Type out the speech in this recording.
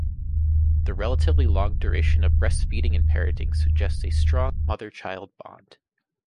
The relatively long duration of breastfeeding and parenting suggests a strong mother-child bond.